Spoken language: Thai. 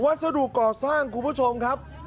สรุปก่อสร้างคุณผู้ชมครับ